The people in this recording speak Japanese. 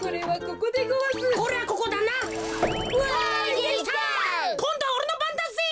こんどはおれのばんだぜ。